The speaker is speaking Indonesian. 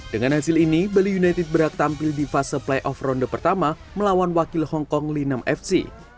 dengan hasil ini bali united berhak tampil di fase playoff ronde pertama melawan wakil hongkong linam fc